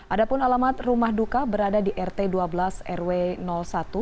ada pun alamat rumah duka berada di rt dua belas rw satu no dua puluh delapan